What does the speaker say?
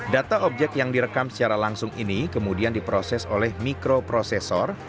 data objek yang direkam secara langsung ini kemudian diproses oleh mikroprosesor